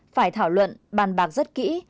phải thảo luận bàn bạc rất kỹ